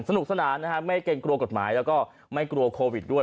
สนุกสนานนะฮะไม่เกรงกลัวกฎหมายแล้วก็ไม่กลัวโควิดด้วย